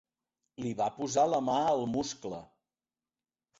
Li va posar la mà al muscle.